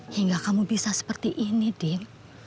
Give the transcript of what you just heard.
hingga kamu bisa seperti ini din